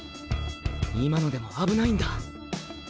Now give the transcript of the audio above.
今のでも危ないんだ。